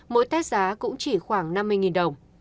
mỗi test giá cũng chỉ khoảng năm mươi đồng